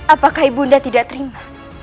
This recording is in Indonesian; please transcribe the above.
apakah ibu nda tidak terima